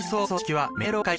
はい！